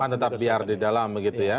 tetap biar di dalam begitu ya